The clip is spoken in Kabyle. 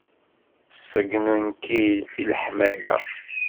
Ṣeggnen-k-id s leḥmegga.